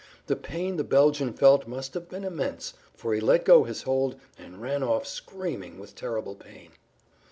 The pain the Belgian felt must have been immense, for he let go his hold and ran off screaming with terrible pain.